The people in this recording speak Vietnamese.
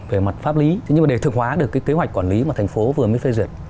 về mặt pháp lý thế nhưng mà để thực hóa được cái kế hoạch quản lý mà thành phố vừa mới phê duyệt